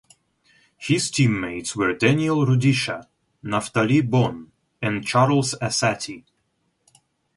His teammates were Daniel Rudisha, Naftali Bon and Charles Asati.